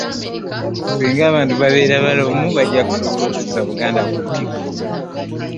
Singa abantu babeera balamu bajja kusobola okuzza Buganda ku ntikko